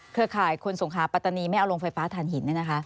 เครือข่ายคุณสงคราปตนีไม่เอาโรงไฟฟ้าถ่านหิน